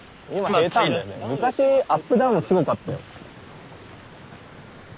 昔アップダウンすごかったよ。